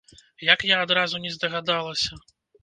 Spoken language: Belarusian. Як я адразу не здагадалася!?